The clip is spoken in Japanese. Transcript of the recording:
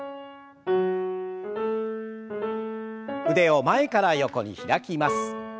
腕を前から横に開きます。